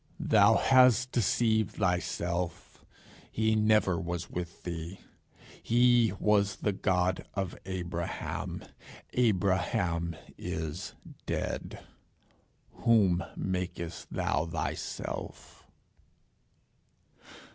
Thou hast deceived thyself. He never was with thee. He was the God of Abraham. Abraham is dead. Whom makest thou thyself?"